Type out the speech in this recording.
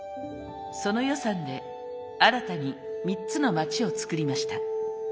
その予算で新たに３つの街を作りました。